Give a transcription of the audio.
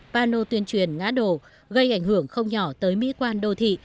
ba nô tuyên truyền ngã đồ gây ảnh hưởng không nhỏ tới mỹ quan đô thị